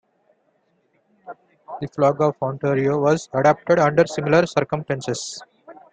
The flag of Ontario was adopted under similar circumstances.